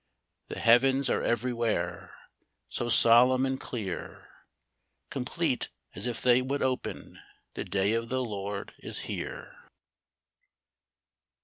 The heavens are everywhere, So solemn and clear. Complete as if they would open, — The day of the Lord is here